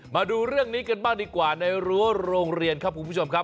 มาดูเรื่องนี้กันบ้างดีกว่าในรั้วโรงเรียนครับคุณผู้ชมครับ